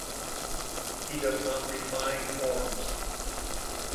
He does not refine forms.